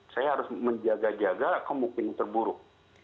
saya harus menjaga jaga kemungkinan terburuk